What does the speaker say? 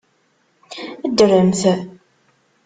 Ddremt!